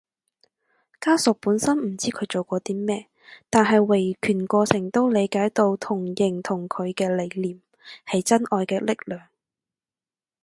家屬本身唔知佢做過啲咩，但喺維權過程都理解到同認同佢嘅理念，係真愛嘅力量